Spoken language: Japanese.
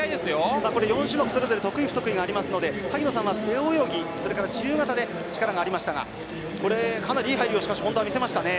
４種目、それぞれ得意、不得意がありますから萩野さんは背泳ぎ、自由形で力がありましたがかなりいい入りを本多は見せましたね。